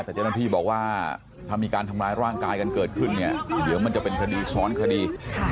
แต่เจ้าหน้าที่บอกว่าถ้ามีการทำร้ายร่างกายกันเกิดขึ้นเนี่ยเดี๋ยวมันจะเป็นคดีซ้อนคดี